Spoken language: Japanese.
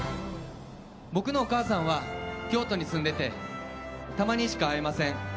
僕のお母さんは京都に住んでてたまにしか会えません。